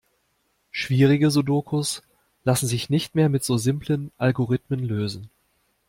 Schwierige Sudokus lassen sich nicht mehr mit so simplen Algorithmen lösen.